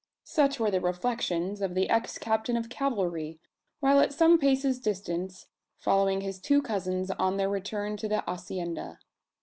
Such were the reflections of the ex captain of cavalry, while at some paces distance following his two cousins on their return to the hacienda.